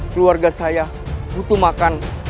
keluarga saya butuh makan